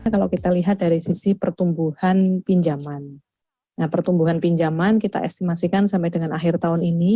kalau kita lihat dari sisi pertumbuhan pinjaman pertumbuhan pinjaman kita estimasikan sampai dengan akhir tahun ini